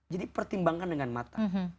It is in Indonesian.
jadi pertimbangkan dengan mata